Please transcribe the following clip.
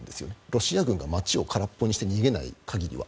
ロシア軍が街を空っぽにして逃げない限りは。